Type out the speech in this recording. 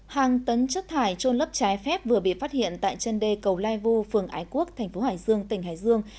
hàng tấn chất thải trôn lấp trái phép vừa bị phát hiện tại chân đê cầu lai vu phường ái quốc thành phố hải dương tỉnh hải dương